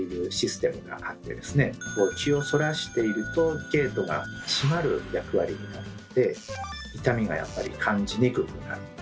気をそらしているとゲートが閉まる役割になって痛みが感じにくくなるんですよね。